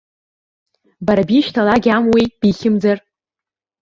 Бара бишьҭаларгь амуеи, бихьымӡар?